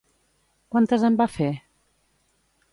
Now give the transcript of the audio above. Quantes en va fer?